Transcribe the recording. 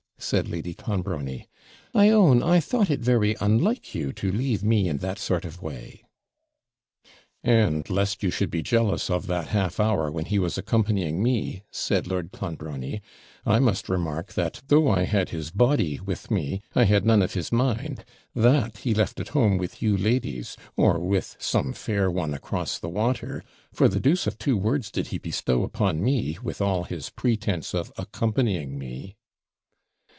said Lady Clonbrony; 'I own I thought it very unlike you to leave me in that sort of way.' 'And, lest you should be jealous of that half hour when he was accompanying me,' said Lord Clonbrony, 'I must remark, that, though I had his body with me, I had none of his mind; that he left at home with you ladies, or with some fair one across the water, for the deuce of two words did he bestow upon me, with all his pretence of accompanying me.'